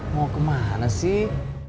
mau kemana sih